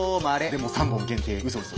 でも三本限定うそうそ